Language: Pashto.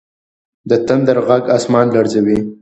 د تندر ږغ اسمان لړزوي.